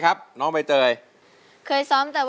กลับไปก่อนที่สุดท้าย